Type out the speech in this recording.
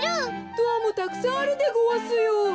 ドアもたくさんあるでごわすよ。